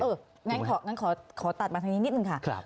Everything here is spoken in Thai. งั้นขอตัดมาทางนี้นิดนึงค่ะ